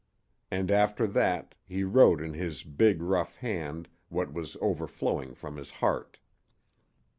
And after that he wrote in his big, rough hand what was overflowing from his heart.